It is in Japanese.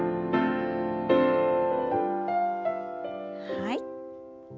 はい。